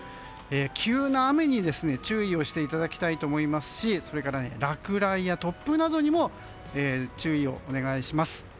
急な雨に注意していただきたいと思いますしそれから落雷や突風などにも注意をお願いします。